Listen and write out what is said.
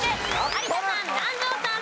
有田さん南條さん